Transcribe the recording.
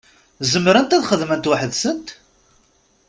Zemrent ad xedment weḥd-nsent?